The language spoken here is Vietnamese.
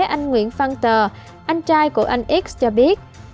anh nguyễn văn tờ anh trai của anh x cho biết